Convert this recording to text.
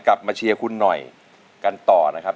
กลับมาเชียร์คุณหน่อยกันต่อนะครับ